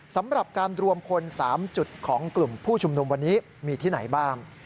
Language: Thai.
สำหรับการรวมคน๓จุดของกลุ่มผู้ชุมนุมวันนี้มีที่ไหนบ้าง